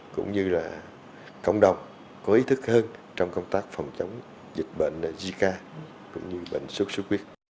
cũng như là cộng đồng có ý thức hơn trong công tác phòng chống dịch bệnh zika cũng như bệnh sốt xuất huyết